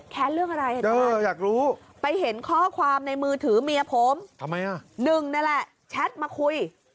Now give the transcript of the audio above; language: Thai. แค้นเรื่องอะไรนายจารันไปเห็นข้อความในมือถือเมียผมนึงนั่นแหละแชทมาคุย